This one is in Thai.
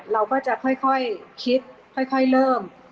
เราก็จะค่อยคิดค่อยเริ่ม